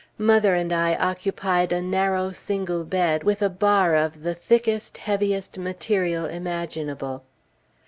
Mother and I occupied a narrow single bed, with a bar of the thickest, heaviest material imaginable.